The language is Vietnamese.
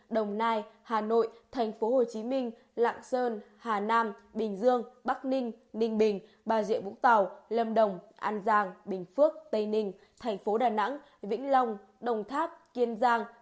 đồng nai hà nội tp hcm lạng sơn hà nam bình dương bắc ninh ninh bình bà rịa vũ tàu lâm đồng an giang bình phước tây ninh tp đà nẵng vĩnh phước hậu giang